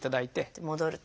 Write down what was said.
で戻ると。